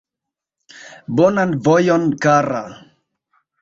Bonan vojon, kara!